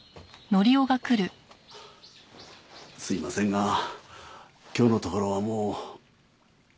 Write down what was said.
すみませんが今日のところはもう。